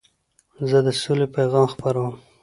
زه د سولي پیغام خپروم.